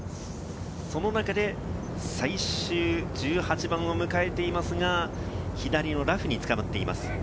その中で最終１８番を迎えていますが、左のラフにつかまっています。